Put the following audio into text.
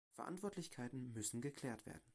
Verantwortlichkeiten müssen geklärt werden.